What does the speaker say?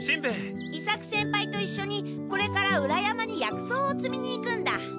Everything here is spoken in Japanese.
伊作先輩といっしょにこれから裏山に薬草をつみに行くんだ。